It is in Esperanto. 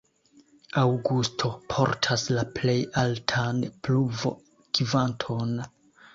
Aŭgusto portas la plej altan pluvo-kvanton.